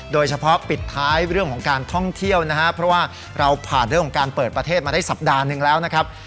เฉพาะปิดท้ายเรื่องของการท่องเที่ยวนะครับเพราะว่าเราผ่านเรื่องของการเปิดประเทศมาได้สัปดาห์หนึ่งแล้วนะครับ